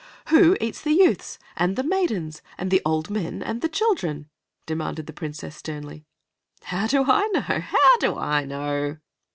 "Who eats the youths and the maidens, and the old men and the children?" demanded the Princess sternly. "How do I know? How do I know?"